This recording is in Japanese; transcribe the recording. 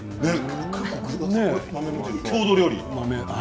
郷土料理。